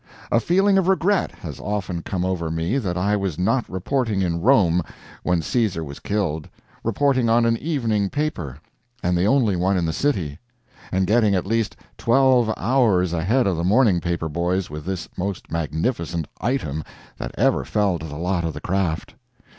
A feeling of regret has often come over me that I was not reporting in Rome when Caesar was killed reporting on an evening paper, and the only one in the city, and getting at least twelve hours ahead of the morning paper boys with this most magnificent "item" that ever fell to the lot of the craft.